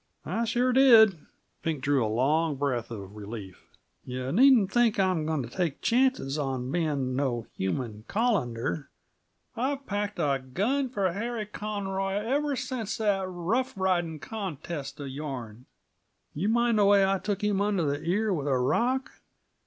"I sure did!" Pink drew a long breath of relief. "Yuh needn't think I'm going t' take chances on being no human colander. I've packed a gun for Harry Conroy ever since that rough riding contest uh yourn. Yuh mind the way I took him under the ear with a rock?